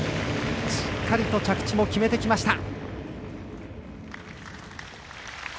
しっかりと着地も決めてきました。